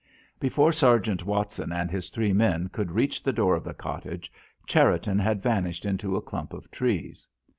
Before Sergeant Watson and his three men could reach the door of the cottage, Cherriton had vanished into a clump of trees.